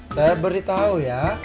saya beritahu ya